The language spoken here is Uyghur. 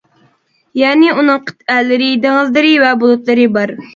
يەنى ئۇنىڭ قىتئەلىرى، دېڭىزلىرى ۋە بۇلۇتلىرى بار.